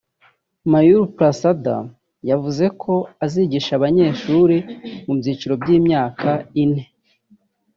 Mayur Prasad yavuze ko izigisha abanyeshuri mu byiciro by’ imyaka ine